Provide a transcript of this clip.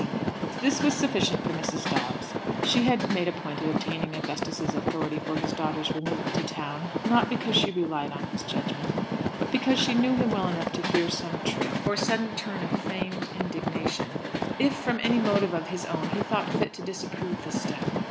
C." This was sufficient for Mrs. Dobbs. She had made a point of obtaining Augustus's authority for his daughter's removal to town; not because she relied on his judgment, but because she knew him well enough to fear some trick, or sudden turn of feigned indignation, if, from any motive of his own, he thought fit to disapprove the step.